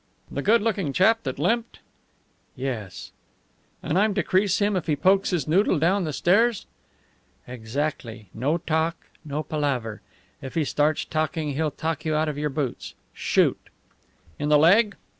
"The good looking chap that limped?" "Yes." "And I'm to crease him if he pokes his noodle down the stairs?" "Exactly! No talk, no palaver! If he starts talking he'll talk you out of your boots. Shoot!" "In the leg?